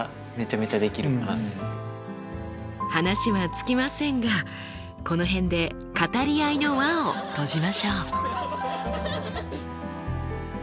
話は尽きませんがこの辺で語り合いの輪を閉じましょう。